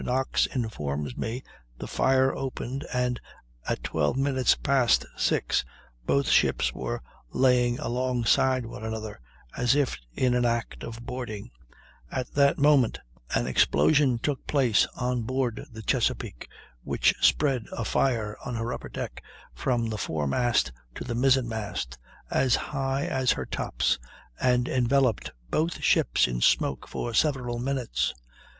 Knox informs me, the fire opened, and at 12 minutes past six both ships were laying alongside one another as if in the act of boarding; at that moment an explosion took place on board the Chesapeake, which spread a fire on her upper deck from the foremast to the mizzen mast, as high as her tops, and enveloped both ships in smoke for several minutes.